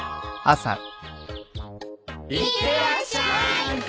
いってらっしゃーい。